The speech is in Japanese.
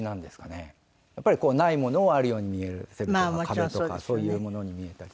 やっぱりこうないものをあるように見せるとか壁とかそういうものに見えたり。